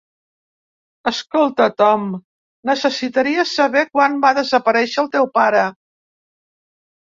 Escolta Tom, necessitaria saber quan va desaparèixer el teu pare.